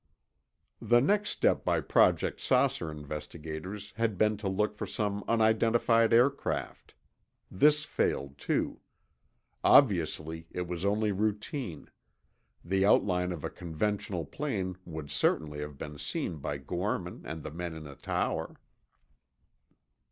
The next step by Project "Saucer" investigators had been to look for some unidentified aircraft. This failed, too. Obviously, it was only routine; the outline of a conventional plane would certainly have been seen by Gorman and the men in the tower.